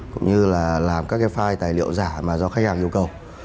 cũng như là làm các cái file tài liệu giả mà do khách hàng yêu cầu